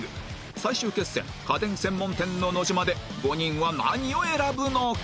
最終決戦家電専門店のノジマで５人は何を選ぶのか？